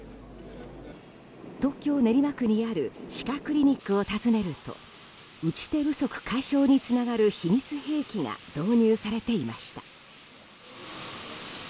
東京・練馬区にある歯科クリニックを訪ねると打ち手不足解消につながる秘密兵器が導入されていました。